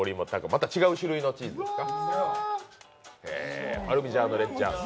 また違う種類のチーズですか。